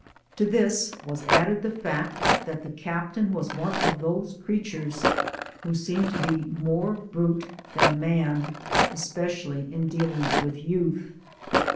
To this was added the fact that the captain was one of those creatures who seem to be more brute than man, especially in dealing with youth.